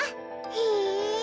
へえ！